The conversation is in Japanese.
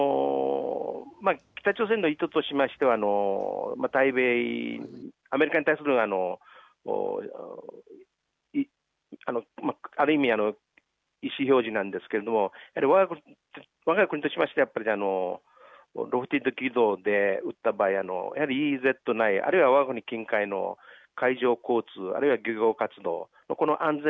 北朝鮮の意図としましてはアメリカに対するある意味、意思表示なんですがわが国としましてはロフテッド軌道で撃った場合、やはりＥＥＺ内、あるいはわが国近海の海上交通、あるいは漁業活動